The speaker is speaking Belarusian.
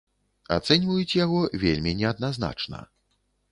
Ацэньваюць яго вельмі неадназначна.